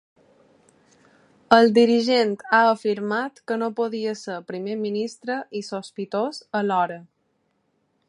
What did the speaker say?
El dirigent ha afirmat que no podia ser primer ministre i sospitós alhora.